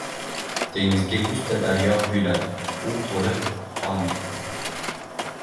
• Dengizga yuzta daryo quyiladi, u to‘lib qolmaydi.